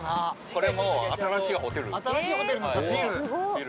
これも新しいホテル。